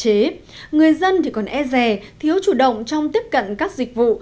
tuy nhiên người dân còn e rè thiếu chủ động trong tiếp cận các dịch vụ